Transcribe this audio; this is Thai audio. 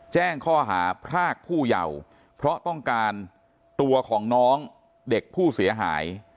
แจ้งข้อหาพรากผู้เยาว์เพราะต้องการตัวของน้องเด็กผู้เสียหาย